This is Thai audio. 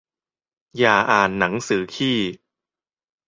อย่าอ่านหนังสือขี้